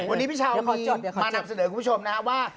วันนี้พี่เชามีมานับเสด็จคุณผู้ชมว่า